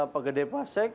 pak gede pasek